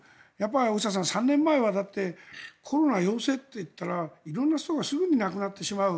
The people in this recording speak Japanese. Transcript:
大下さん、３年前はコロナ陽性と言ったら色んな人がすぐに亡くなってしまう。